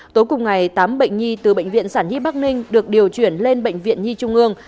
tối cùng ngày tám bệnh nhi từ bệnh viện sản nhi bắc ninh được điều chuyển lên bệnh viện nhi trung ương